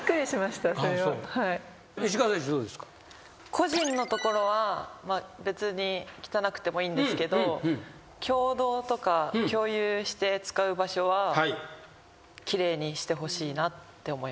個人の所は別に汚くてもいいんですけど共同とか共有して使う場所は奇麗にしてほしいなって思います。